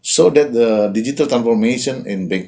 sehingga transformasi digital dalam bank